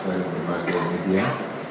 para pembantu media